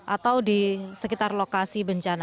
atau di sekitar lokasi bencana